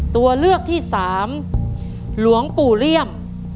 ตัวเลือกที่สามหลวงปู่เลี่ยม